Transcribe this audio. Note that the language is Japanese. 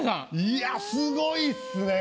いやスゴいっすね